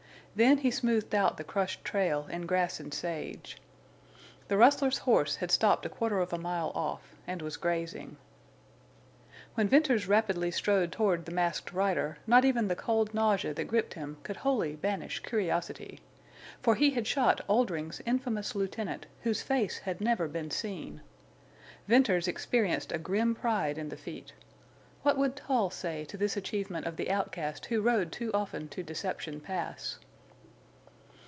Then he smoothed out the crushed trail in grass and sage. The rustler's horse had stopped a quarter of a mile off and was grazing. When Venters rapidly strode toward the Masked Rider not even the cold nausea that gripped him could wholly banish curiosity. For he had shot Oldring's infamous lieutenant, whose face had never been seen. Venters experienced a grim pride in the feat. What would Tull say to this achievement of the outcast who rode too often to Deception Pass?